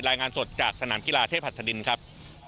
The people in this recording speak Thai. รายงานสดจากสนามกีฬาเทพหัดธดินครับ